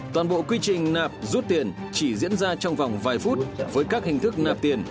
toàn bộ quy trình nạp rút tiền chỉ diễn ra trong vòng vài phút với các hình thức nạp tiền